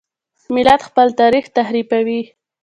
ملت خپل تاریخ تحریفوي.